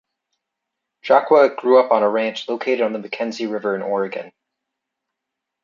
Jaqua grew up on a ranch located on the McKenzie River in Oregon.